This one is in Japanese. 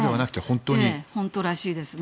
本当らしいですね。